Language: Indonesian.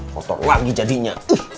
kotor lagi jadinya